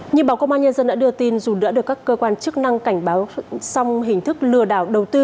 như báo công an nhân dân đã đưa tin dù đã được các cơ quan chức năng cảnh báo song hình thức lừa đảo đầu tư